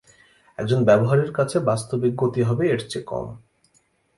একজন ব্যবহারকারীর কাছে বাস্তবিক গতি হবে এর চেয়ে কম।